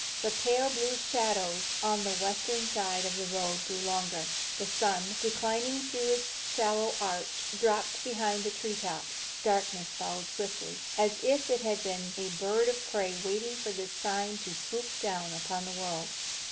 The pale blue shadows on the western side of the road grew longer. The sun, declining through its shallow arch, dropped behind the tree tops. Darkness followed swiftly, as if it had been a bird of prey waiting for this sign to swoop down upon the world.